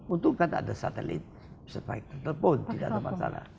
untuk kan ada satelit supaya telepon tidak ada masalah